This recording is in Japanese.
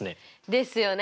ですよね！